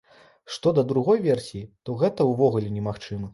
Што да другой версіі, то гэта ўвогуле немагчыма!